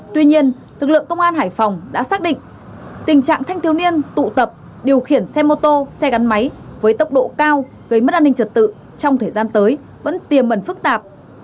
tuy nhiên lực lượng công an hải phòng đã xác định tình trạng thanh thiếu niên tụ tập điều khiển xe mô tô xe gắn máy với tốc độ cao gây mất an ninh trật tự trong thời gian tới vẫn tiềm mẩn phức tạp